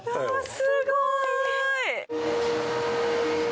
すごーい！